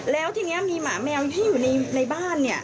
แล้วทีนี้มีหมาแมวที่อยู่ในบ้านเนี่ย